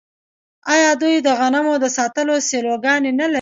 آیا دوی د غنمو د ساتلو سیلوګانې نلري؟